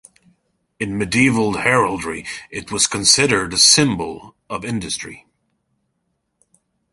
In medieval heraldry it was considered a symbol of industry.